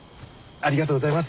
ありがとうございます。